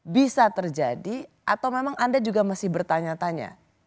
bisa terjadi atau memang anda juga mesti bertanya tanya